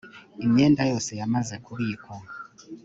imyenda yose yamaze kubikwa